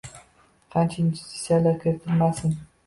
qancha investitsiyalar kiritilmasin